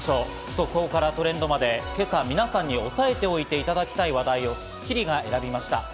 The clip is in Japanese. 速報からトレンドまで、今朝皆さんに押さえておいていただきたい話題を『スッキリ』が選びました。